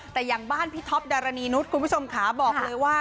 แต่อย่างบ้านพี่ท็อปดารณีนุษย์คุณผู้ชมขาบอกเลยว่า